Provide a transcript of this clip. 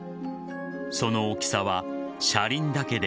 その大きさは、車輪だけで